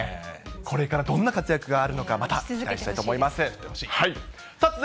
これからどんな活躍があるのか、また期待したいと思います。